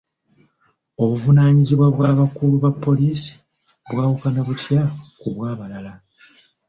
Obuvunaanyizibwa bw'abakulu ba poliisi bwawukana butya ku bwabalala?